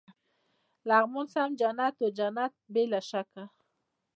لغمان سم جنت و، جنت بې له شکه.